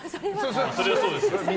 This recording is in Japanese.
それはそうですよ。